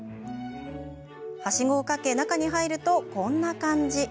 はしごをかけ、中に入るとこんな感じ。